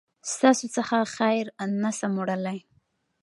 ستاسو څخه خير نسم وړلای